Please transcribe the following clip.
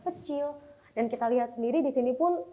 kecil dan kita lihat sendiri disini pun